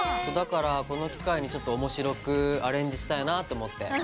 だからこの機会にちょっと面白くアレンジしたいなと思って。